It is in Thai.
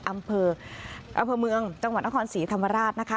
อำเภอเมืองจังหวัดนครศรีธรรมราชนะคะ